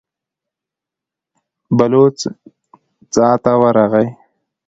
بلوڅ څا ته ورغی.